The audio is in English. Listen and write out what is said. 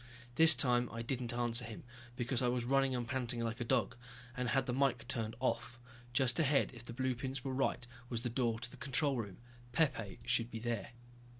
This time I didn't answer him, because I was running and panting like a dog, and had the mike turned off. Just ahead, if the blueprints were right, was the door to the control room. Pepe should be there.